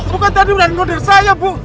bukan tadi udah ngoder saya bu